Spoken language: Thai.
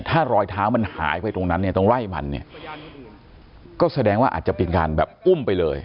ถ้ารอยเท้ามันหายไปตรงนั้นเนี่ยตรงไร่มันเนี่ยก็แสดงว่าอาจจะเป็นการแบบอุ้มไปเลย